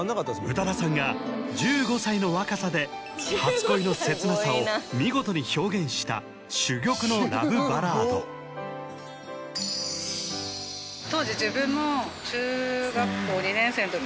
宇多田さんが１５歳の若さで初恋の切なさを見事に表現した珠玉のラブバラード匂い忘れないですもんね